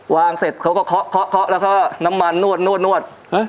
วางเสร็จเค้าก็เค้าเค้าเค้าแล้วก็น้ำมันนวด